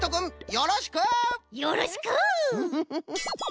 よろしく！